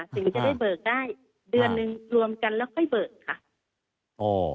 ถึงจะได้เบิกได้เดือนนึงรวมกันแล้วค่อยเบิกค่ะ